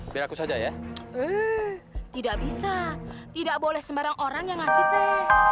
bisa tidak boleh sembarang orang yang ngasih teh